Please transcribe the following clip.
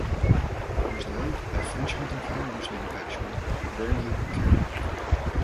It was developed by French hunting firearms manufacturer Verney-Carron.